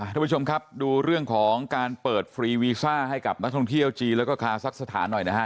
ท่านผู้ชมครับดูเรื่องของการเปิดฟรีวีซ่าให้กับนักท่องเที่ยวจีนแล้วก็คาซักสถานหน่อยนะฮะ